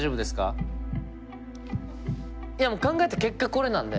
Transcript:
いやもう考えた結果これなんで。